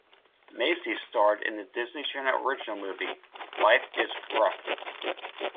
Massey starred in the Disney Channel Original Movie "Life Is Ruff".